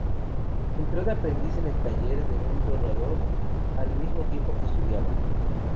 Entró de aprendiz en el taller de un dorador al mismo tiempo que estudiaba.